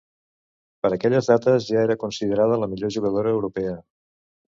Per aquelles dates ja era considerada la millor jugadora europea.